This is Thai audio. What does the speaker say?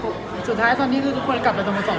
ก็สุดท้ายตอนนี้ทุกคนกลับไปธรรมศาสน์